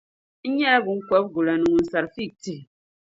n nyɛla biŋkɔbigula ni ŋun sari fiig tihi.